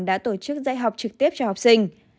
đã tổ chức dạy học trực tiếp cho học sinh